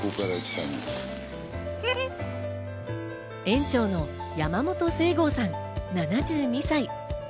園長の山本清號さん、７２歳。